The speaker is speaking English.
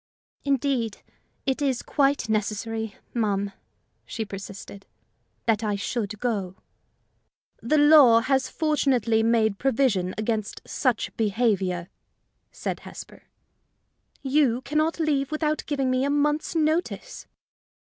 "Indeed, it is quite necessary, ma'am," she persisted, "that I should go." "The law has fortunately made provision against such behavior," said Hesper. "You can not leave without giving me a month's notice."